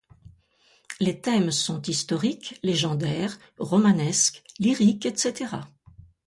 Les thèmes sont historiques, légendaires, romanesques, lyriques etc.